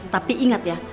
tapi ingat ya